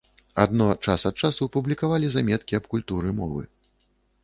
Адно, час ад часу публікавалі заметкі аб культуры мовы.